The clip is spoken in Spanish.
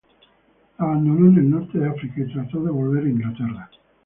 La abandonó en el norte de África y trató de volver a Inglaterra.